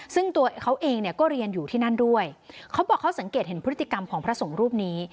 ซึ่งตัวเขาเองเนี่ยก็เรียนอยู่ที่นั่นด้วยเขาบอกเขาสังเกตเห็นพฤติกรรมของพระสงฆ์รูปนี้